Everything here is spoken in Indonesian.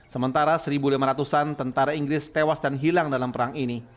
sementara satu lima ratus an tentara inggris tewas dan hilang dalam perang ini